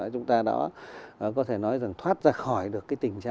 chúng ta đã có thể nói rằng thoát ra khỏi được cái tình hình này